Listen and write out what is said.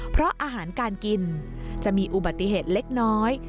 เพราะอาหารการกินจะมีอุบัติเหตุเล็กน้อย